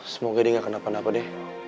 semoga dia gak kena pandang aku deh